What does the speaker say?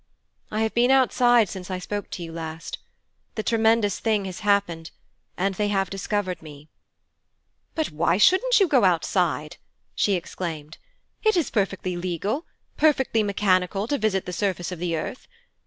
'I have been outside since I spoke to you last. The tremendous thing has happened, and they have discovered me.' 'But why shouldn't you go outside?' she exclaimed, 'It is perfectly legal, perfectly mechanical, to visit the surface of the earth.